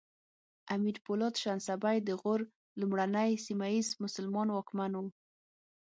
امیر پولاد شنسبی د غور لومړنی سیمه ییز مسلمان واکمن و